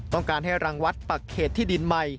ต้องการให้รังวัดปักเขตที่ดินใหม่